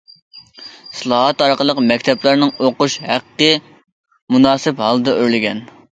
ئىسلاھات ئارقىلىق مەكتەپلەرنىڭ ئوقۇش ھەققى مۇناسىپ ھالدا ئۆرلىگەن.